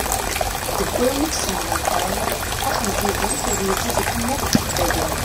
Deg wayen i semmeḍ lḥal, axenziz-ik ad ibedd dinna deg Ukfadu.